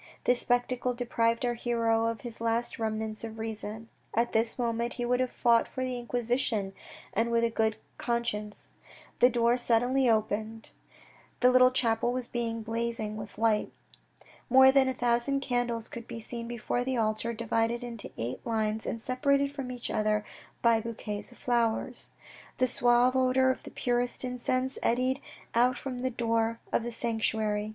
This spectacle deprived our hero of his last remnants of reason. At this moment he would have fought for the Inquisition, and with a good conscience. The door suddenly opened. The little chapel was blazing with light. More than a thousand candles could be seen before the altar, divided into eight lines and separated from each other by bouquets of flowers. The suave odour of the purest incense eddied out from the door of the sanctuary.